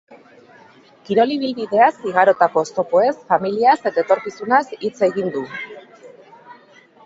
Kirol ibilbideaz, igarotako oztopoez, familiaz eta etorkizunaz hitz egin du.